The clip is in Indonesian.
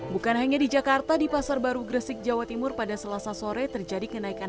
bukan hanya di jakarta di pasar baru gresik jawa timur pada selasa sore terjadi kenaikan